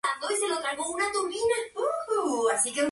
Alberga el Tribunal del Distrito de Estocolmo.